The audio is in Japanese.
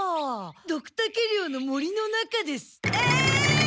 ドクタケ領の森の中です。え！？